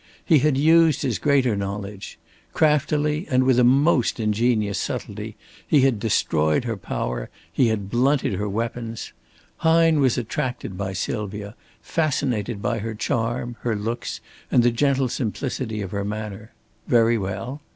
He had used his greater knowledge. Craftily and with a most ingenious subtlety he had destroyed her power, he had blunted her weapons. Hine was attracted by Sylvia, fascinated by her charm, her looks, and the gentle simplicity of her manner. Very well.